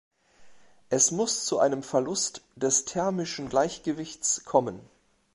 Es muss zu einem Verlust des thermischen Gleichgewichts kommen.